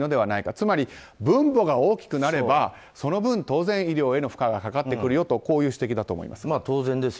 つまり分母が大きくなればその分、当然医療への負荷がかかってくるよという指摘だと思います。